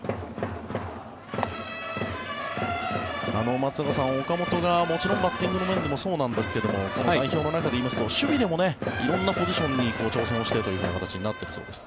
松坂さん、岡本がもちろんバッティングの面でもそうなんですが代表の中で言いますと守備でも色んなポジションに挑戦をしてという形になっているそうです。